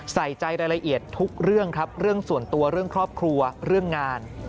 ใส่ใจรายละเอียดทุกเรื่องครับเรื่องส่วนตัวเรื่องครอบครัวเรื่องงาน